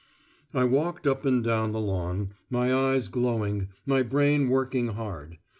I walked up and down the lawn, my eyes glowing, my brain working hard.